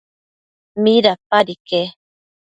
¿midapad iquec?